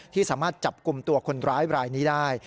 ที่สามารถจับกลุ่มตัวคนร้ายรายนี้ได้